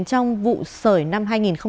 trong vụ sởi năm hai nghìn một mươi bốn